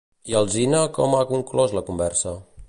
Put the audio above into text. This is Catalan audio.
I Alsina com ha conclòs la conversa?